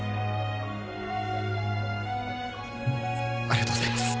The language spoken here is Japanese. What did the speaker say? ありがとうございます。